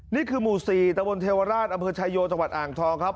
นี่คือหมู่สี่ตวทศุรีอพัชยโยตอ่างทอง